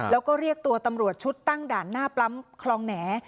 แล้วก็เรียกตัวตำรวจชุดตั้งด่านหน้าปั๊มคลองแหน่